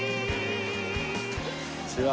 こんにちは。